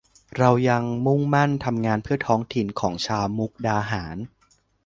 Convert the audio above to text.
เรายังมุ่งมั่นทำงานเพื่อท้องถิ่นของชาวมุกดาหาร